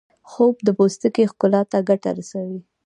خوب د پوستکي ښکلا ته ګټه رسوي